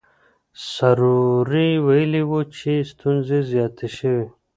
سروري ویلي وو چې ستونزې زیاتې شوې.